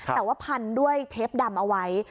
แต่ว่าพันด้วยเทปดำเอาไว้